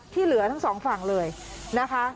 เหลือทั้งสองฝั่งเลยนะคะ